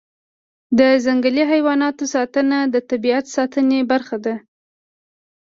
د ځنګلي حیواناتو ساتنه د طبیعت ساتنې برخه ده.